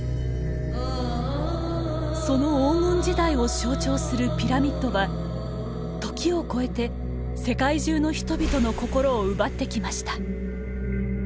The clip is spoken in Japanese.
その黄金時代を象徴するピラミッドは時を超えて世界中の人々の心を奪ってきました。